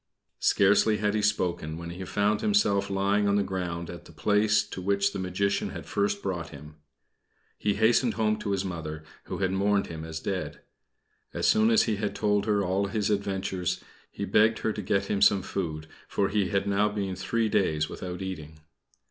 Scarcely had he spoken, when he found himself lying on the ground at the place to which the Magician had first brought him. He hastened home to his Mother, who had mourned him as dead. As soon as he had told her all his adventures, he begged her to get him some food, for he had now been three days without eating.